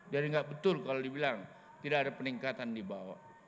jadi enggak betul kalau dibilang tidak ada peningkatan di bawah